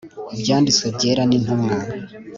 ibyanditswe byera n Intumwa